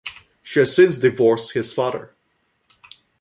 She has since divorced his father.